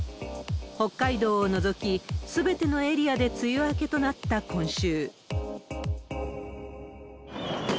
北海道を除き、すべてのエリアで梅雨明けとなった今週。